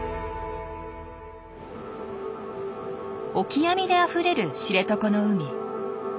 オキアミであふれる知床の海。